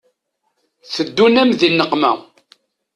Teddun-am di nneqma.